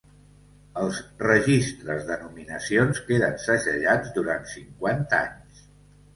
Els registres de nominacions queden segellats durant cinquanta anys.